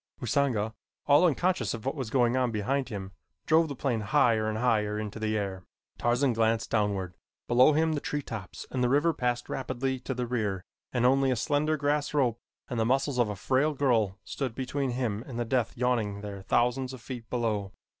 Usanga, all unconscious of what was going on behind him, drove the plane higher and higher into the air. Tarzan glanced downward. Below him the tree tops and the river passed rapidly to the rear and only a slender grass rope and the muscles of a frail girl stood between him and the death yawning there thousands of feet below.